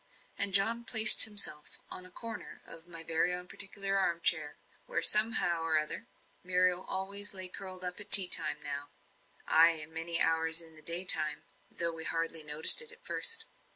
And John placed himself on a corner of my own particular armchair, where, somehow or other, Muriel always lay curled up at tea time now (ay, and many hours in the day time, though we hardly noticed it at first).